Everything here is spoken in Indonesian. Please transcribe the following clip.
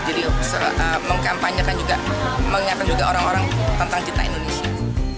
jadi mengkampanyekan juga mengingatkan juga orang orang tentang cinta indonesia